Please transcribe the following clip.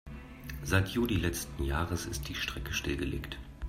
Seit Juli letzten Jahres ist die Strecke stillgelegt.